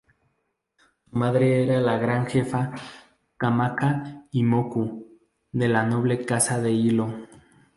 Su madre era la Gran Jefa Kamakaʻimoku, de la noble Casa de Hilo.